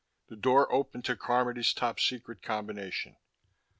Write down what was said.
The door opened to Carmody's top secret combination.